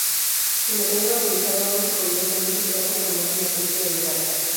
El material vaporizado luego se condensa en un sustrato, formando una película delgada.